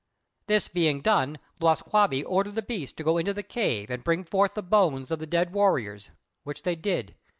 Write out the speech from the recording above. This being done, Glūs kābé ordered the beasts to go into the cave and bring forth the bones of the dead warriors, which they did.